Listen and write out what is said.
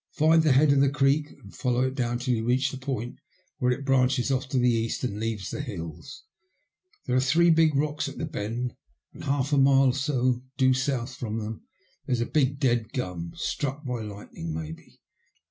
Find the head of the creek, and follow it down till you reach the point where it branches off to the east and leaves the hills. There are three big rocks at the bend, and half a mile or so due south from them there's a big dead gum, struck by light ning, maybe.